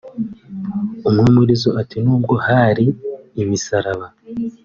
umwe muri zo ati “Nubwo hari imisaraba